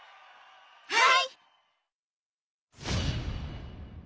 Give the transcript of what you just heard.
はい！